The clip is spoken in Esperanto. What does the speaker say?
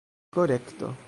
korekto